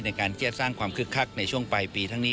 ในการที่จะสร้างความคึกคักในช่วงปลายปีทั้งนี้